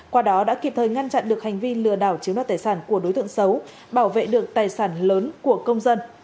qua đó đã kịp thời ngăn chặn được hành vi lừa đảo chiếm đoạt tài sản của đối tượng xấu bảo vệ được tài sản lớn của công dân